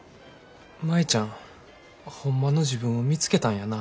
舞ちゃんホンマの自分を見つけたんやな。